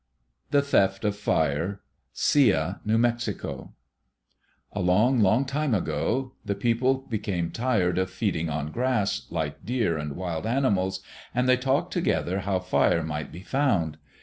The Theft of Fire Sia (New Mexico) Along, long time ago, the people became tired of feeding on grass, like deer and wild animals, and they talked together how fire might be found.